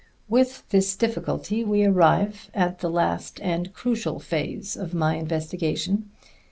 With this difficulty we arrive at the last and crucial phase of my investigation.